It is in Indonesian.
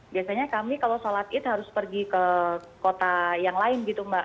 biasanya kami kalau sholat id harus pergi ke kota yang lain gitu mbak